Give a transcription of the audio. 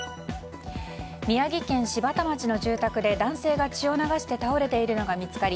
宮城県柴田町の住宅で男性が血を流して倒れているのが見つかり